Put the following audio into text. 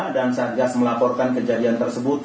dan satgas melaporkan kejadian tersebut